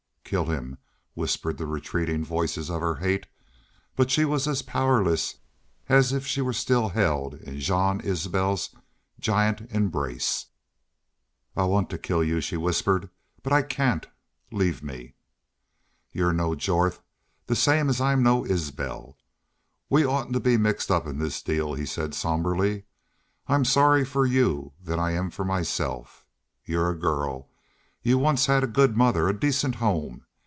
"Kill him," whispered the retreating voices of her hate. But she was as powerless as if she were still held in Jean Isbel's giant embrace. "I I want to kill y'u," she whispered, "but I cain't.... Leave me." "You're no Jorth the same as I'm no Isbel. We oughtn't be mixed in this deal," he said, somberly. "I'm sorrier for you than I am for myself.... You're a girl.... You once had a good mother a decent home.